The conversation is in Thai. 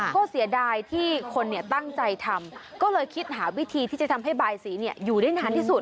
ก็เสียดายที่คนเนี่ยตั้งใจทำก็เลยคิดหาวิธีจะทำให้ใบสีเนี่ยอยู่ในฐานที่สุด